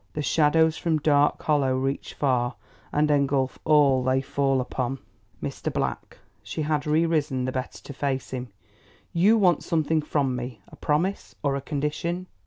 The shadows from Dark Hollow reach far, and engulf all they fall upon." "Mr. Black" she had re risen the better to face him "you want something from me a promise, or a condition."